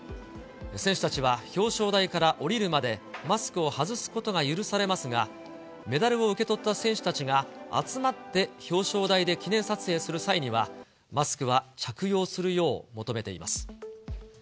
選手たちは表彰台から降りるまで、マスクを外すことが許されますが、メダルを受け取った選手たちが集まって表彰台で記念撮影する際には、マスクは着用するよう求めています。